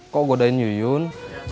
kok godain yuyun